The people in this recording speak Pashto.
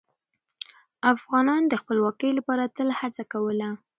افغانان د خپلواکۍ لپاره تل هڅه کوله.